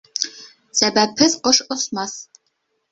Сәбәпһеҙ ҡош осмаҫ.